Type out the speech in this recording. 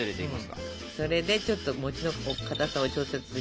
それでちょっと餅のかたさを調節していきますね。